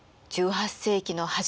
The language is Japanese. １８世紀の初め